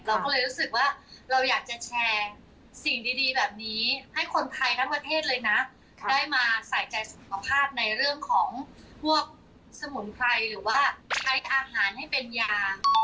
เราก็เลยรู้สึกว่าเราอยากจะแชร์สิ่งดีแบบนี้ให้คนไทยทั้งประเทศเลยนะได้มาใส่ใจสุขภาพในเรื่องของพวกสมุนไพรหรือว่าใช้อาหารให้เป็นยา